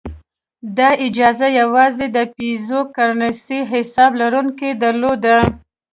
دا اجازه یوازې د پیزو کرنسۍ حساب لرونکو درلوده.